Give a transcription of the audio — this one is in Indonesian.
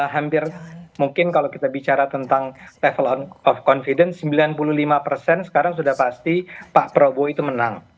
hampir mungkin kalau kita bicara tentang level of confidence sembilan puluh lima persen sekarang sudah pasti pak prabowo itu menang